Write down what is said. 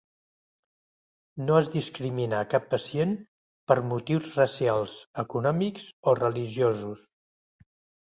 No es discrimina a cap pacient per motius racials, econòmics o religiosos.